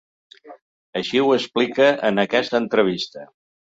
Així ho explicava en aquesta entrevista.